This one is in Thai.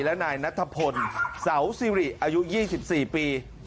และนายนัทพลเสาสิริอายุ๒๔ปี